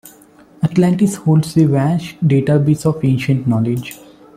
Atlantis holds a vast database of Ancient knowledge.